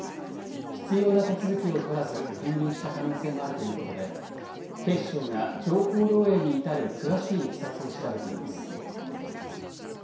必要な手続きを取らず兼任した可能性もあるということで警視庁が情報漏えいに至る詳しいいきさつを調べています。